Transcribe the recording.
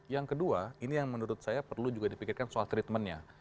yang kedua ini yang menurut saya perlu juga dipikirkan soal treatmentnya